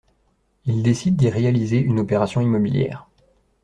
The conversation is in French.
Il décide d'y réaliser une opération immobilière.